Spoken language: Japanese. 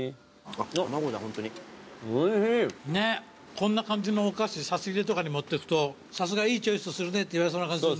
こんな感じのお菓子差し入れとかに持ってくとさすがいいチョイスするねって言われそうな感じするね。